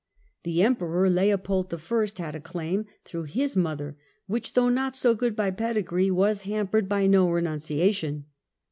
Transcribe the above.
The Emperor Leopold I. had a claim through his mother, which, though not so good by pedigree, was hampered by no renunciation.